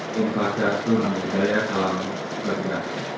kumpul jatuh nanti ya salam berkata